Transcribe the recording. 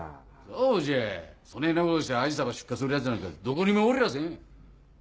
そうじゃそねぇなことしてアジサバ出荷するヤツなんかどこにもおりゃせん！